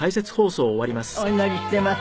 お祈りしてます。